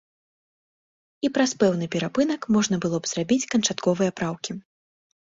І праз пэўны перапынак можна было б зрабіць канчатковыя праўкі.